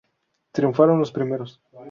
Triunfaron los primeros.